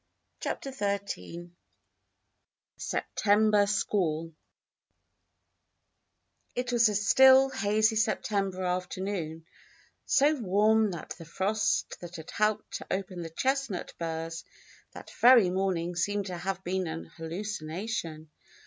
CHAPTER XIII A SEPTEMBER SQUALL It was a still, hazy September afternoon, so warm that the frost that had helped to open the chestnut burrs that very morning seemed to have been an hallucination.